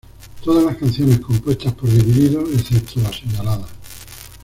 Todas las canciones compuestas por Divididos, excepto las señaladas.